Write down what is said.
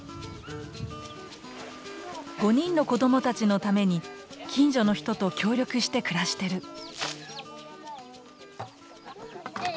５人の子どもたちのために近所の人と協力して暮らしてる。